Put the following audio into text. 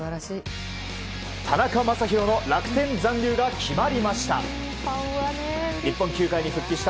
田中将大の楽天残留が決まりました。